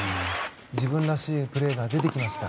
自分らしいプレーが出てきました。